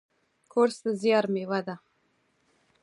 کورس د زیار میوه ده.